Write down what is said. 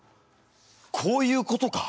こういうことか。